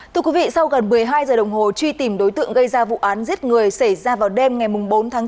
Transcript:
thưa quý vị sau gần một mươi hai giờ đồng hồ truy tìm đối tượng gây ra vụ án giết người xảy ra vào đêm ngày bốn tháng chín